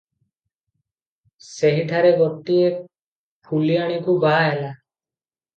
ସେହିଠାରେ ଗୋଟିଏ କୁଲିଆଣୀକୁ ବାହା ହେଲା ।